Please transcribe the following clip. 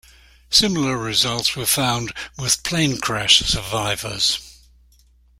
Similar results were found with plane crash survivors.